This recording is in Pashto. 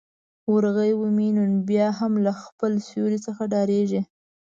ورغومی نن بيا هم له خپل سیوري څخه ډارېږي.